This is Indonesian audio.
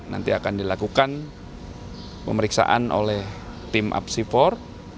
nanti akan dilakukan pemeriksaan oleh tim apsifor